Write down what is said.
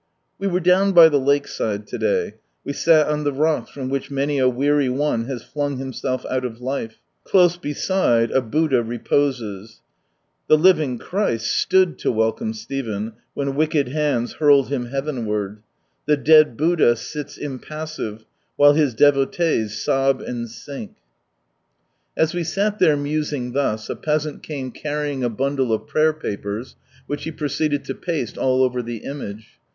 We were down by the lake side to day. We sal on the rocks from which many a weary one has flung himself out of life. Close beside, a Buddha reposes. The living Christ stood to welcome Stephen, when wicked hands hurled him heavenward. The dead Buddha siis impassive, while his devotees sob and sink. As we sat there, musing thus, a peasant came carrying a bundle of prayer papers, which he proceeded to paste all over the image.